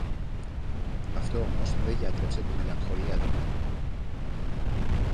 Αυτό όμως δε γιάτρεψε τη μελαγχολία του.